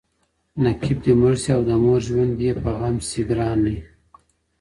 نقيب دي مړ شي او د مور ژوند يې په غم شه گرانې!